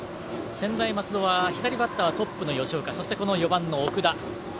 専大松戸は左バッターはトップの吉岡そして４番の奥田。